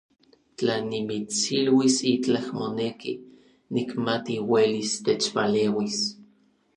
Tla nimitsiluis itlaj moneki, nikmati uelis techpaleuis.